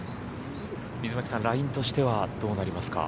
水巻さん、ラインとしてはどうなりますか？